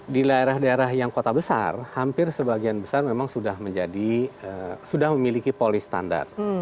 di daerah daerah yang kota besar hampir sebagian besar memang sudah menjadi sudah memiliki polis standar